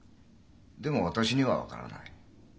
でも私には分からない。